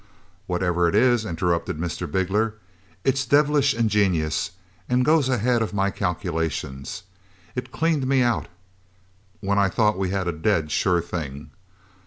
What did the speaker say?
"Whatever it is," interrupted Mr. Bigler, "it's devilish ingenious and goes ahead of my calculations; it's cleaned me out, when I thought we had a dead sure thing.